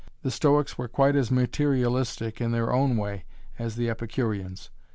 The Stoics were quite as materialistic in their own way as the Epicureans.